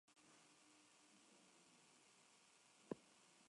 Los hechos son información sobre el entorno que se usa para razonar.